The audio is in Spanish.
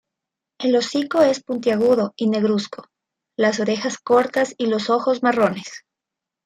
El hocico es puntiagudo y negruzco, las orejas cortas y los ojos marrones.